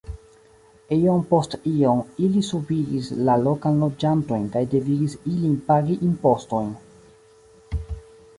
Iom post iom ili subigis la lokan loĝantojn kaj devigis ilin pagi impostojn.